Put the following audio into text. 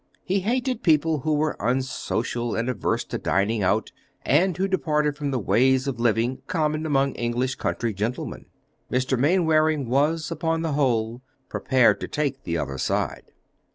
He hated people who were unsocial and averse to dining out, and who departed from the ways of living common among English country gentlemen. Mr. Mainwaring was, upon the whole, prepared to take the other side.